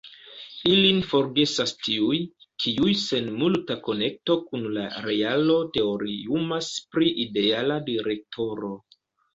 Ilin forgesas tiuj, kiuj sen multa konekto kun la realo teoriumas pri ideala direktoro.